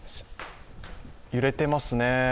揺れていますね。